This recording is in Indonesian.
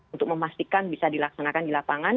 untuk memastikan bisa dilaksanakan di lapangan